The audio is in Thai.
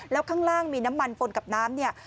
แล้วข้างล่างมีน้ำมันปนกับน้ำเนี่ย